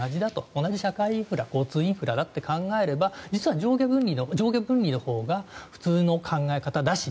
同じ社会インフラ交通インフラだと考えれば実は上下分離のほうが普通の考え方だし